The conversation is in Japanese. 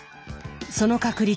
その確率